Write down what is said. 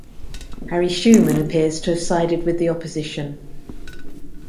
Harry Shewman appears to have sided with the opposition.